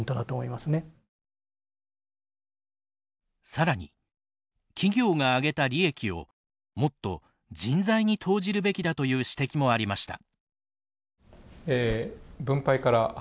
更に企業が上げた利益をもっと人材に投じるべきだという指摘もありました。